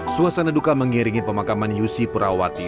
suasana duka mengiringi pemakaman yusi purawati